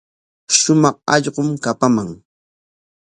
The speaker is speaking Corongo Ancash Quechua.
Shumaq allqum kapaman.